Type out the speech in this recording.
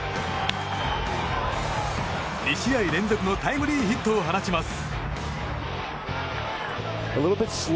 ２試合連続のタイムリーヒットを放ちます。